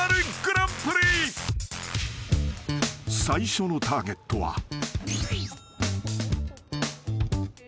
［最初のターゲットは］